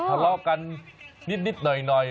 เจอกันนิดหน่อย